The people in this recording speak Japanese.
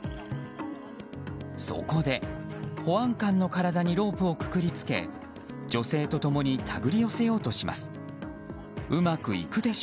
そこで、保安官の体にロープをくくり付け女性と共にたぐり寄せようとします。